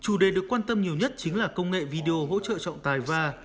chủ đề được quan tâm nhiều nhất chính là công nghệ video hỗ trợ trọng tài và